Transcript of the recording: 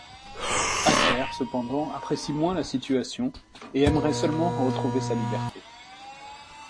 Albert, cependant, apprécie moins la situation et aimerait seulement retrouver sa liberté.